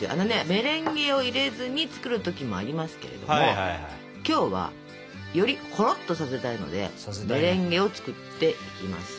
メレンゲを入れずに作る時もありますけれども今日はよりほろっとさせたいのでメレンゲを作っていきます。